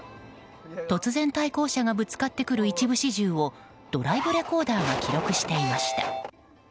突然、対向車がぶつかってくる一部始終をドライブレコーダーが記録していました。